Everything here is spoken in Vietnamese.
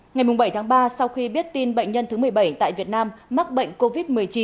ngày bảy tháng ba sau khi biết tin bệnh nhân thứ một mươi bảy tại việt nam mắc bệnh covid một mươi chín